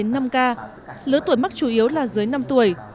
trung bình một ngày thu dung từ hai thì năm ca lỡ tuổi mắc chủ yếu là dưới năm tuổi